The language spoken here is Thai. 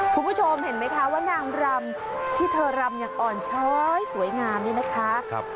คุณผู้ชมเห็นไหมคะว่านางรำที่เธอรำอย่างอ่อนช้อยสวยงามนี่นะคะ